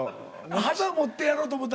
旗持ってやろうと思た？